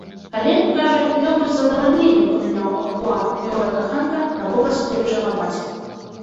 Але, кажа, ён бы з задавальненнем памяняў амплуа героя-каханка на вобраз любячага бацькі.